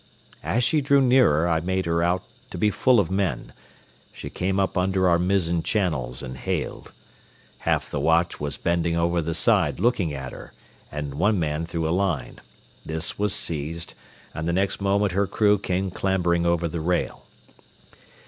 As she drew nearer I made her out to be full of men. She came up under our mizzen channels and hailed. Half the watch was bending over the side looking at her, and one man threw a line. This was seized, and the next moment her crew came clambering over the rail.